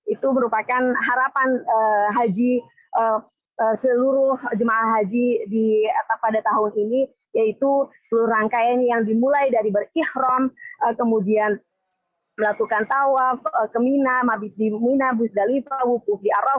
itu merupakan harapan haji seluruh jemaah haji pada tahun ini yaitu seluruh rangkaian yang dimulai dari berikhrom kemudian melakukan tawaf kemina mabidimina busdalipa wupu